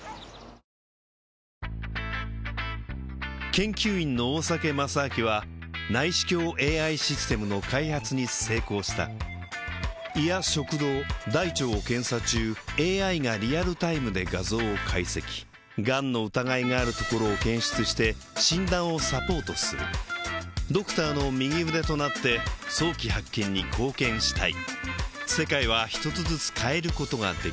研究員の大酒正明は内視鏡ＡＩシステムの開発に成功した胃や食道大腸を検査中ＡＩがリアルタイムで画像を解析がんの疑いがあるところを検出して診断をサポートするドクターの右腕となって早期発見に貢献したい